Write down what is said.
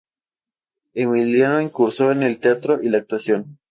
Emiliano incursionó en el teatro y la actuación.